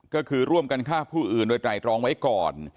ก็คือร่วมกันฆ่าผู้อื่นโดยไตรรองไว้ก่อน